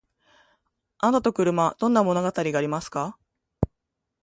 あなたと車どんな物語がありますか？